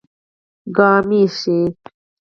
ګامېښې